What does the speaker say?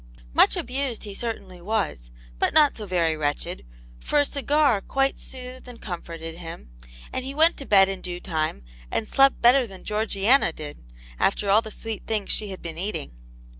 Much abused he certainly was, but not so very wretched, for a cigar quite soothed and comforted him, and he went to bed in due time, and slept better than Georgiana did, after all the sweet things she had been eating.